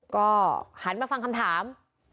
ก็หันมาฟังคำถาม